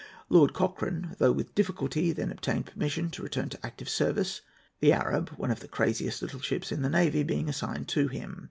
Lord Cochrane, though with difficulty, then obtained permission to return to active service, the Arab, one of the craziest little ships in the navy, being assigned to him.